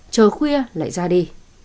chờ khuya lại ra đi